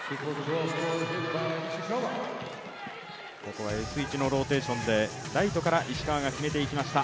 ここはＳ１のローテーションでライトから石川が決めていきました。